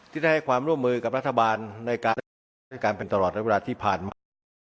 ที่จะให้ความร่วมมือกับรัฐบาลในการสร้างการเป็นตลอดในเวลาที่ผ่านมา